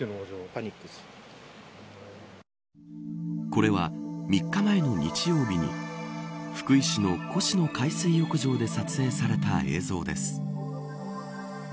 これは、３日前の日曜日に福井市の越廼海水浴場で撮影された映像です。